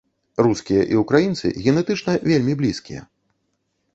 Рускія і ўкраінцы генетычна вельмі блізкія.